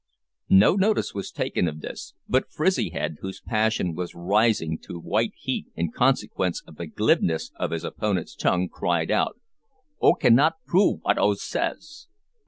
No notice was taken of this, but Frizzyhead, whose passion was rising to white heat in consequence of the glibness of his opponent's tongue, cried out "'Oo cannot prove wat 'ou says?"